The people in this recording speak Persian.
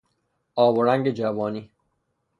آب و رنگ جوانی